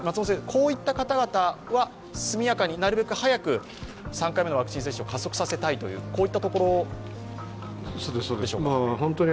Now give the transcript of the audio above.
こういった方々は速やかになるべく早く３回目のワクチン接種を加速させたいといったところでしょうか。